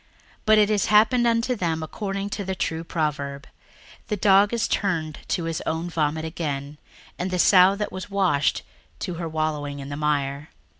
61:002:022 But it is happened unto them according to the true proverb, The dog is turned to his own vomit again; and the sow that was washed to her wallowing in the mire.